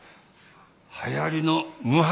はやりの無髪